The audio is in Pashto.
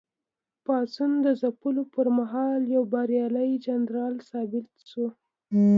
پاڅون د ځپلو پر مهال یو بریالی جنرال ثابت شو.